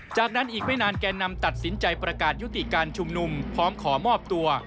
จากนั้นอีกไม่นานแก่นำตัดสินใจประกาศยุติการชุมนุมพร้อมขอมอบตัว